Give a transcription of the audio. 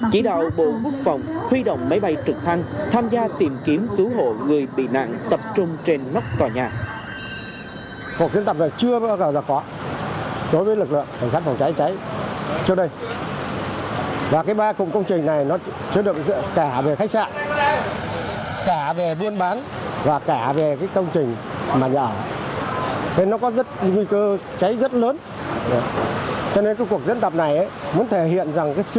chỉ đạo bộ quốc phòng huy động máy bay trực thăng tham gia tìm kiếm cứu hộ người bị nạn tập trung trên mốc tòa nhà